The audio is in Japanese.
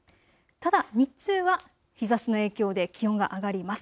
ただ日中は日ざしの影響で気温が上がります。